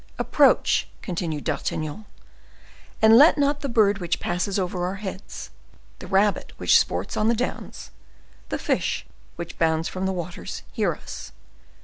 "Approach," continued D'Artagnan, "and let not the bird which passes over our heads, the rabbit which sports on the downs, the fish which bounds from the waters, hear us.